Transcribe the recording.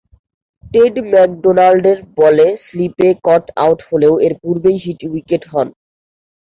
Ted ম্যাকডোনাল্ডের বলে স্লিপে কট আউট হলেও এর পূর্বেই হিট উইকেট হন।